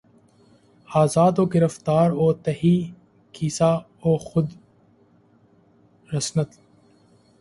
آزاد و گرفتار و تہی کیسہ و خورسند